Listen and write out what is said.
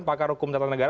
pakar hukum tata negara